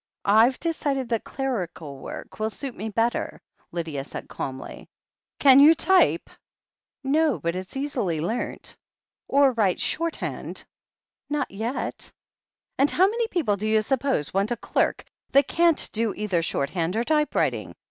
"I've decided that clerical work will suit me better," Lydia said calmly. "Can you type ?" "No, but it's easily learnt." "Or write shorthand ?" "Not yet." "And how many people, do you suppose, want a derk that can't do either shorthand or typewriting?"